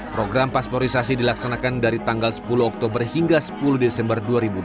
program pasporisasi dilaksanakan dari tanggal sepuluh oktober hingga sepuluh desember dua ribu dua puluh